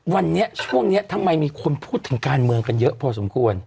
วันนี้ช่วงนี้ทำไมมีคนพูดถึงการเมืองกันเยอะพอสมควร